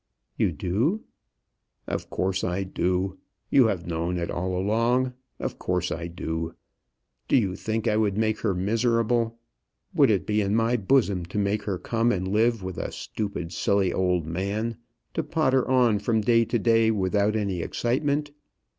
"You do?" "Of course I do. You have known it all along. Of course I do. Do you think I would make her miserable? Would it be in my bosom to make her come and live with a stupid, silly old man, to potter on from day to day without any excitement?